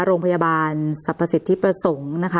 โรงพยาบาลสรรพสิทธิประสงค์นะคะ